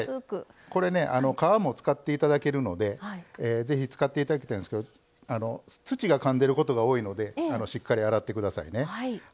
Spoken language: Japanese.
これね皮も使っていただけるのでぜひ使っていただきたいんですけど土がかんでることが多いのでしっかり洗ってくださいね。